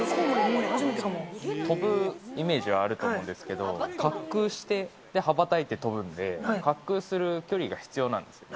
飛ぶイメージがあると思うんですけど、滑空して羽ばたいて飛ぶんで、滑空する距離が必要なんですよね。